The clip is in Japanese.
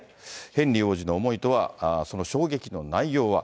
ヘンリー王子の思いとは、その衝撃の内容は。